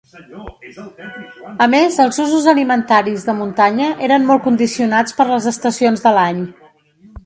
A més els usos alimentaris de muntanya eren molt condicionats per les estacions de l'any.